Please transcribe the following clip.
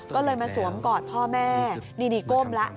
ก็เลยมาสวมกอดพ่อแม่นี่ก้มแล้ว